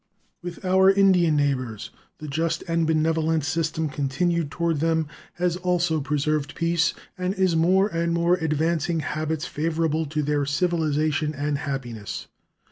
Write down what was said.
With our Indian neighbors, the just and benevolent system continued toward them has also preserved peace, and is more and more advancing habits favorable to their civilization and happiness.